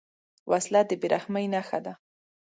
وسله د بېرحمۍ نښه ده